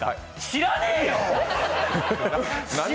知らねえよ！